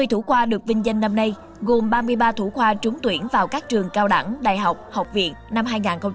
hai mươi thủ khoa được vinh danh năm nay gồm ba mươi ba thủ khoa trúng tuyển vào các trường cao đẳng đại học học viện năm hai nghìn hai mươi